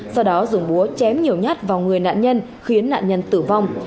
sau đó dùng búa chém nhiều nhát vào người nạn nhân khiến nạn nhân tử vong